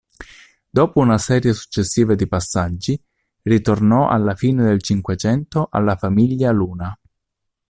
Dopo una serie successiva di passaggi ritornò alla fine del Cinquecento alla famiglia Luna.